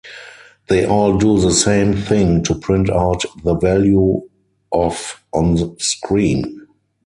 They all do the same thing-to print out the value of on screen.